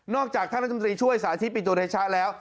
นอกจากท่านรัฐมนตรีช่วยสาธิตปิดตัวในเช้าแล้ว